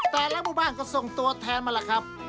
แต่ละหมู่บ้านก็ส่งตัวแทนมาล่ะครับ